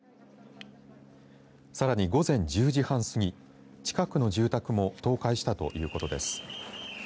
さらに午前１０時半過ぎ近くの住宅も倒壊したということです。